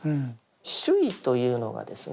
「守意」というのがですね